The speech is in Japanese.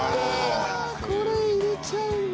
うわあこれ入れちゃうんだ！